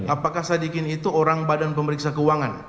apakah sadikin itu orang badan pemeriksa keuangan